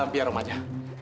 biar rumah aja